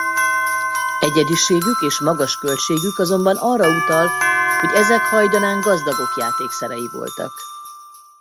Egyediségük és magas költségük azonban arra utal hogy ezek hajdanán gazdagok játékszerei voltak.